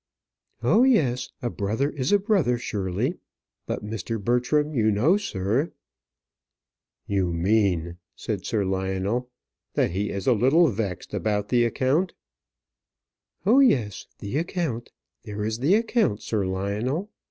"Oh, yes; a brother is a brother, surely. But, Mr. Bertram, you know, sir " "You mean," said Sir Lionel, "that he is a little vexed about the account." "Oh, yes, the account; there is the account, Sir Lionel.